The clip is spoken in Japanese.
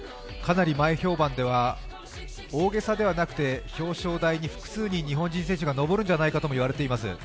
かなり前評判では、大げさではなくて表彰台に複数人、日本人が上るんじゃないかといわれています。